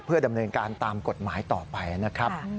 ดำเนินการตามกฎหมายต่อไปนะครับ